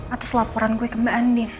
atas laporan gua ke mbak andin puas lu